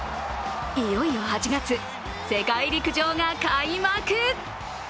いよいよ８月、世界陸上が開幕。